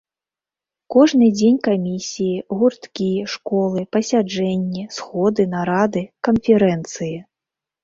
Кожны дзень камісіі, гурткі, школы, пасяджэнні, сходы, нарады, канферэнцыі.